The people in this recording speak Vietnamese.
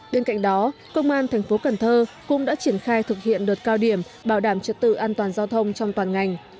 bên cạnh đó công an thành phố cần thơ cũng đã triển khai thực hiện đợt cao điểm bảo đảm trật tự an toàn giao thông trong toàn ngành